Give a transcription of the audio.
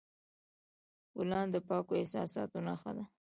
ګلان د پاکو احساساتو نښه ده.